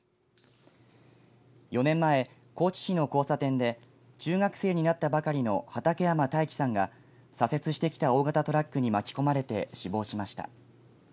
４年前、高知市の交差点で中学生になったばかりの畠山大輝さんが左折してきた大型トラックに巻き込まれて死亡しました。